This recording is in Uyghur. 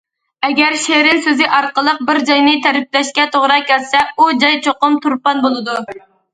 ئەگەر« شېرىن» سۆزى ئارقىلىق بىر جاينى تەرىپلەشكە توغرا كەلسە ئۇ جاي چوقۇم تۇرپان بولىدۇ.